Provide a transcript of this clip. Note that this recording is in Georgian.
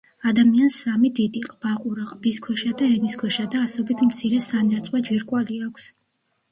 ადამიანს სამი დიდი: ყბაყურა, ყბისქვეშა და ენისქვეშა და ასობით მცირე სანერწყვე ჯირკვალი აქვს.